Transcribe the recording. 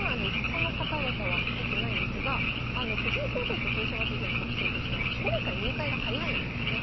その方々は入ってないんですが藤井先生と豊島先生の特徴として奨励会入会が早いんですね。